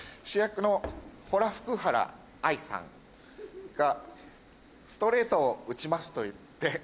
主役のホラフクハラアイさんがストレートを打ちますと言って。